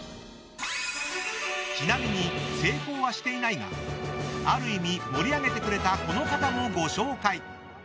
ちなみに、成功はしていないがある意味、盛り上げてくれたこの方もご紹介。